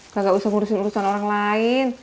kagak usah ngurusin urusan orang lain